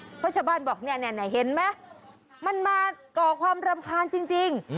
เพราะชาวบ้านบอกเนี่ยเห็นไหมมันมาก่อความรำคาญจริง